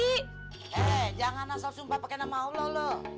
eh jangan asal sumpah pake nama allah loh